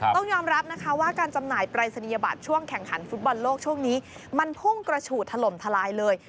ต้องยอมรับนะคะว่าการจำหน่ายปรายศนียบัตรช่วงแข่งขันฟุตบอลโลกช่วงนี้มันพุ่งกระฉูดถล่มทลายเลย